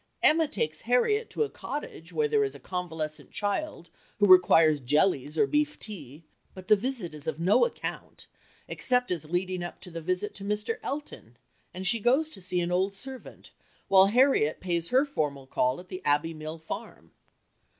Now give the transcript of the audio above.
Emma takes Harriet to a cottage where there is a convalescent child who requires jellies or beef tea, but the incident is of no account except as leading up to the visit to Mr. Elton; and she goes to see an old servant while Harriet pays her formal call at the Abbey Mill Farm.